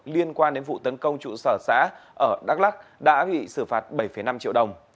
liên quan đến vụ tấn công trụ sở xã ở đắk lắc đã bị xử phạt bảy năm triệu đồng